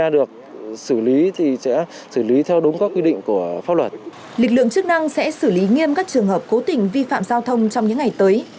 lực lượng chức năng sẽ xử lý nghiêm các trường hợp cố tình vi phạm giao thông trong những ngày tới